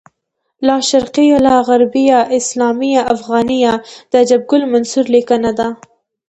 لاشرقیه لاغربیه اسلامیه افغانیه د عجب ګل منصور لیکنه ده